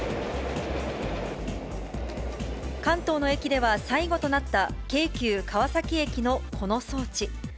関東の駅では最後となった、京急川崎駅のこの装置。